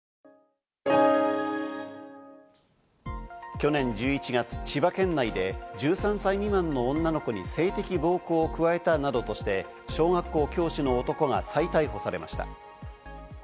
去年１１月、千葉県内で１３歳未満の女の子に性的暴行を加えたなどとして、小学校教師の男が再逮捕されました。